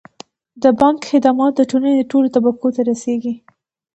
د بانک خدمات د ټولنې ټولو طبقو ته رسیږي.